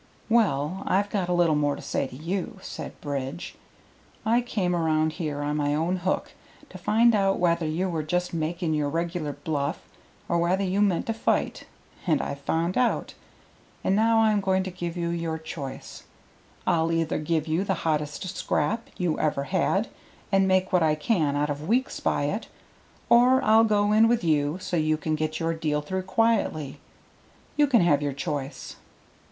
"Well, I've got a little more to say to you," said Bridge. "I came around here on my own hook to find out whether you were just making your regular bluff or whether you meant to fight, and I've found out. And now I'm going to give you your choice. I'll either give you the hottest scrap you ever had, and make what I can out of Weeks by it, or I'll go in with you so you can get your deal through quietly. You can take your choice."